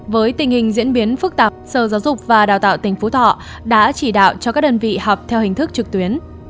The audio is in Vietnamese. với tình hình diễn biến phức tạp sở giáo dục và đào tạo tỉnh phú thọ đã chỉ đạo cho các đơn vị học theo hình thức trực tuyến